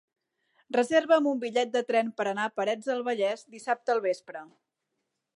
Reserva'm un bitllet de tren per anar a Parets del Vallès dissabte al vespre.